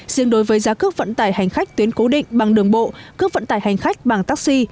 riêng đối với giá cước vận tải hành khách tuyến cố định bằng đường bộ cước vận tải hành khách bằng taxi